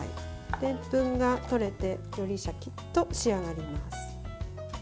でんぷんがとれてよりシャキッと仕上がります。